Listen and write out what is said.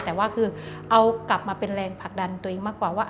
แต่ว่าคือเอากลับมาเป็นแรงผลักดันตัวเองมากกว่าว่า